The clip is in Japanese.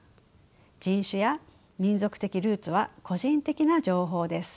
人種や民族的ルーツは個人的な情報です。